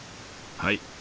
はい。